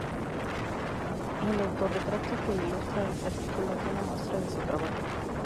El autorretrato que ilustra este artículo, es una muestra de su trabajo.